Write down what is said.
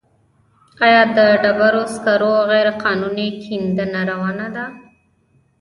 آیا د ډبرو سکرو غیرقانوني کیندنه روانه ده؟